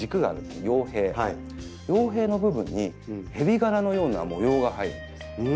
葉柄の部分に蛇柄のような模様が入るんです。